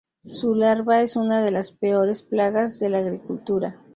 Su larva es una de las peores plagas de la agricultura.